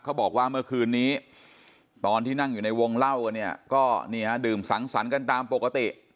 บอกว่าเมื่อคืนนี้ตอนที่นั่งอยู่ในวงเล่ากันเนี่ยก็นี่ฮะดื่มสังสรรค์กันตามปกติ